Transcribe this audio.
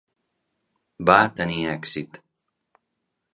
Va tenir èxit.